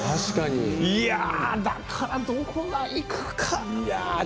いやー、だから、どこがいくか。